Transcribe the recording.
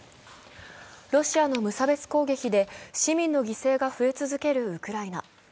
ロシアの無差別攻撃で市民の犠牲が増え続けるウクライナ。